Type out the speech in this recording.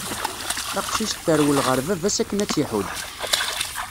Taqcict terwel ɣer baba-s akken ad tt-iḥudd.